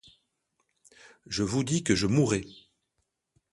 Je vous dis que je mourrai.